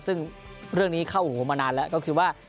ซึ่งเรื่องนี้เข้าโอ้โหมานานแล้วก็คือว่า